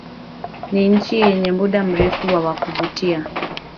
ni nchi yenye muda mrefu na wa kuvutia